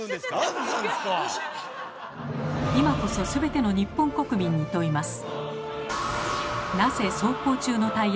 今こそすべての日本国民に問います。